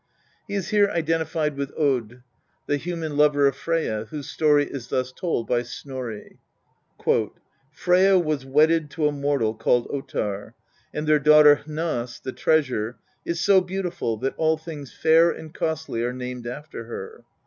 He is here identified with Od, the human lover of Freyja, whose story is thus told by Snorri :" Freyja was wedded to a mortal called Ottar, and their daughter Hnoss, the Treasure, is so beautiful that all things fair and costly are named after her.